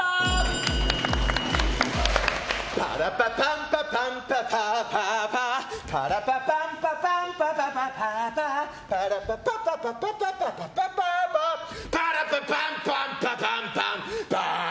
パラパンパパンパンパーパパラパパンパパンパンパーパパラパパパパパパパパパーパパラパンパンパパンパーンバーン。